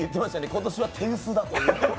今年は手薄だと。